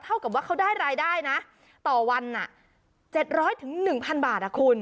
เท่ากับว่าเขาได้รายได้นะต่อวันนะ๗๐๐๑๐๐๐บาทอ่ะคุณ